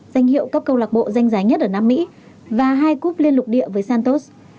danh hiệu các câu lạc bộ danh giá nhất ở nam mỹ và hai cúp liên lục địa với santos